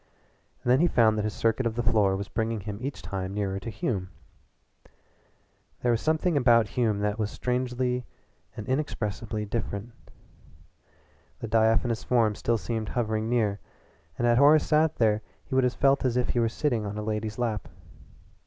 And then he found that his circuit of the floor was bringing him each time nearer to Hume. There was something about Hume that was strangely and inexpressibly different. The diaphanous form still seemed hovering near, and had Horace sat there he would have felt as if he were sitting on a lady's lap.